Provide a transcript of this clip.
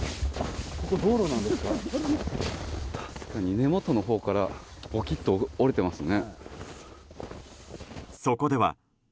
根元のほうからぽきっと折れていますね。